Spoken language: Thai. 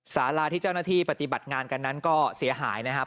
สาราที่เจ้าหน้าที่ปฏิบัติงานกันนั้นก็เสียหายนะครับ